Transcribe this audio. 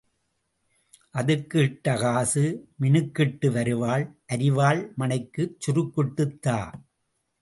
அதுக்கு இட்ட காசு மினுக்கிட்டு வருவாள், அரிவாள் மணைக்குச் சுருக்கிட்டுத் தா.